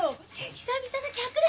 久々の客だ！